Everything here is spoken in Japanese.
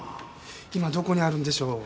今どこにあるんでしょう？